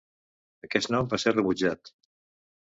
Aquest nom va ser rebutjat.